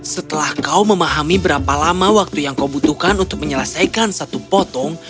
setelah kau memahami berapa lama waktu yang kau butuhkan untuk menyelesaikan satu potong